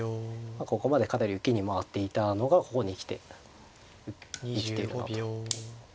ここまでかなり受けに回っていたのがここに来て生きているなと。